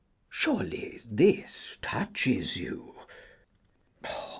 Surely this touches you?